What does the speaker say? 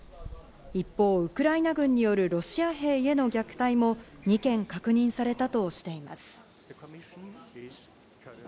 一方、ウクライナ軍によるロシア兵への虐待も２件、確認されたとしています。